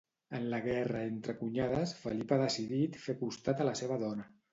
En la guerra entre cunyades Felip ha decidit fer costat a la seva dona.